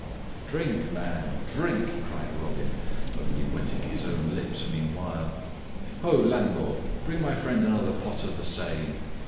"Drink, man, drink," cried Robin, only wetting his own lips meanwhile. "Ho, landlord! Bring my friend another pot of the same.